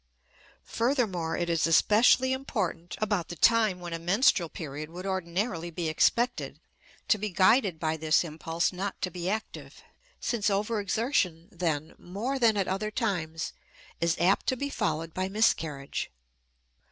Furthermore, it is especially important about the time when a menstrual period would ordinarily be expected to be guided by this impulse not to be active, since overexertion then, more than at other times, is apt to be followed by miscarriage.